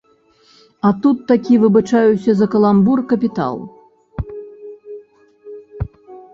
А тут такі, выбачаюся за каламбур, капітал.